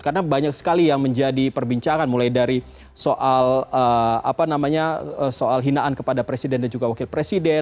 karena banyak sekali yang menjadi perbincangan mulai dari soal hinaan kepada presiden dan juga wakil presiden